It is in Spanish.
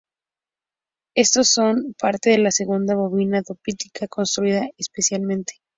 Estos son parte de la segunda bobina disruptiva construida especialmente.